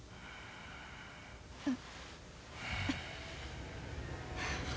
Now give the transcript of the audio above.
あっ。